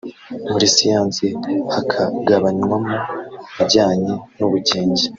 muri Siyansi hakagabanywamo ijyanye n’Ubugenge